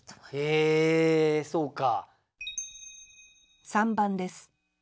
へえそうか。